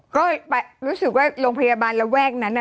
ก็รู้สึกว่าโรงพยาบาลระแวกนั้น